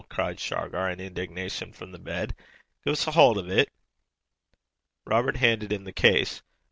cried Shargar, in indignation, from the bed. 'Gie's a haud o' 't.' Robert handed him the case.